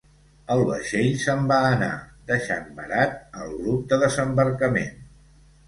El vaixell se'n va anar, deixant varat el grup de desembarcament.